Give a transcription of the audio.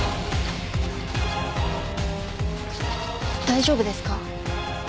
大丈夫ですか？